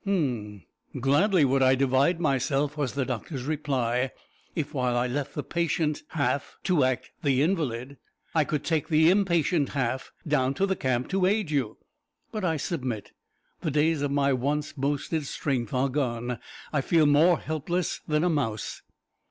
"H'm! Gladly would I divide myself," was the doctor's reply, "if while I left the patient half to act the invalid, I could take the impatient half down to the camp to aid you. But I submit. The days of my once boasted strength are gone. I feel more helpless than a mouse."